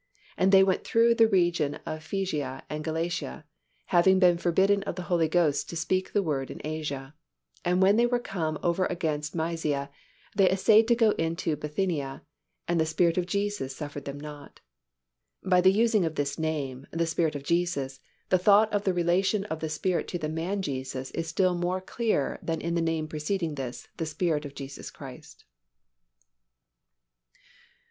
"And they went through the region of Phrygia and Galatia, having been forbidden of the Holy Ghost to speak the word in Asia; and when they were come over against Mysia, they assayed to go into Bithynia; and the Spirit of Jesus suffered them not." By the using of this name, "The Spirit of Jesus" the thought of the relation of the Spirit to the Man Jesus is still more clear than in the name preceding this, the Spirit of Jesus Christ.